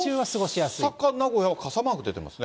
大阪、名古屋は傘マーク出てますね。